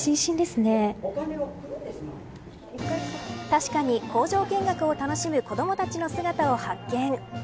確かに、工場見学を楽しむ子どもたちの姿を発見。